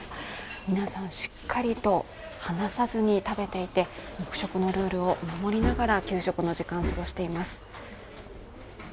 皆さん、しっかりと話さずに食べていて黙食のルールを守りながら給食の時間を過ごしています。